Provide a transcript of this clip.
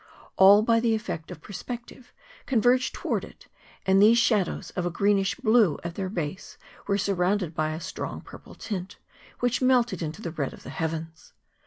All, by the effect of perspective, converged towards it; and these shadows, of a greenish blue at their base, were surrounded by a strong purple tint, which melted into the red of the heavens.